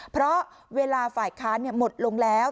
เพราะเวลาฝ่ายค้านหมดลงแล้ว